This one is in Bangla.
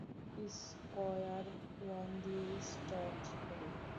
স্কোয়ার ওয়ান দিয়েই স্টার্ট করি।